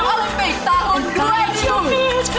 olimpik tahun dua ribu